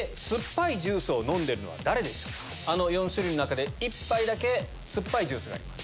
あの４種類の中で１杯だけ酸っぱいジュースがあります。